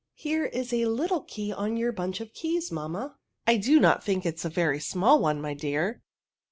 Here is a little key on your bunch of keys, mamma." '* I do not think it a very small one, my dear.'